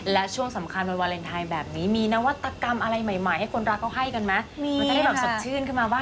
และช่วงสำคัญวันวาเลนไทน์แบบนี้มีนวัตกรรมอะไรใหม่ให้คนรักเขาให้กันมั้ย